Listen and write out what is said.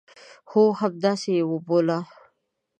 هو، همداسي یې وبوله